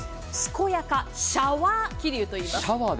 すこやかシャワー気流といいます。